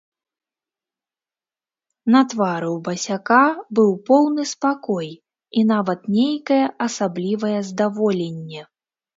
На твары ў басяка быў поўны спакой і нават нейкае асаблівае здаволенне.